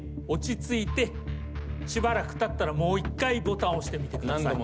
しばらくたったらもう１回ボタンを押してみてください。